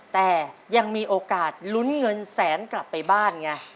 แต่ยังมีโอกาสลุ้นเงินแสนกลับไปบ้านไง